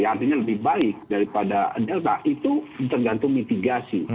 artinya lebih baik daripada delta itu tergantung mitigasi